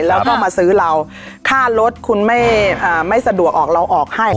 แล้วก็มาซื้อเราค่ารถคุณไม่สะดวกออกเราออกให้